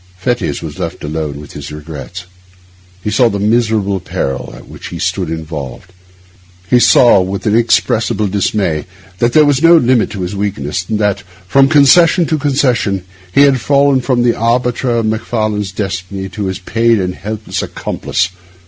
Fettes was thus left alone with his regrets. He saw the miserable peril in which he stood involved. He saw, with inexpressible dismay, that there was no limit to his weakness, and that, from concession to concession, he had fallen from the arbiter of Macfarlane's destiny to his paid and helpless accomplice.